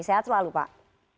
sehat selalu pak